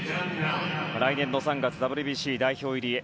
来年の３月、ＷＢＣ代表入りへ。